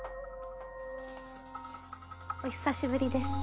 お久しぶりです。